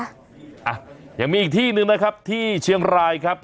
อ่ะยังมีอีกที่หนึ่งนะครับที่เชียงรายครับ